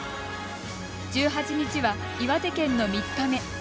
１８日は、岩手県の３日目。